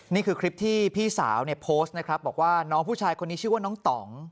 นี่คือคลิปที่พี่สาวเนี่ยโพสต์นะครับบอกว่าน้องผู้ชายคนนี้ชื่อว่าน้องต่อง